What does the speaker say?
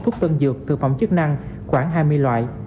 thuốc tân dược thực phẩm chức năng khoảng hai mươi loại